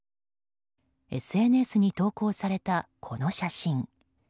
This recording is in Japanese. ＳＮＳに投稿された、この写真。